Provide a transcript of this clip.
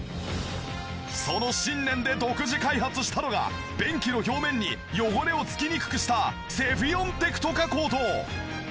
その信念で独自開発したのが便器の表面に汚れを付きにくくしたセフィオンテクト加工と。